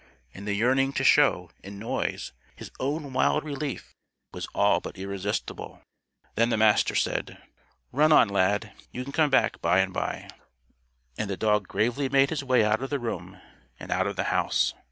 And the yearning to show, in noise, his own wild relief, was all but irresistible. Then the Master said: "Run on, Lad. You can come back by and by." And the dog gravely made his way out of the room and out of the house.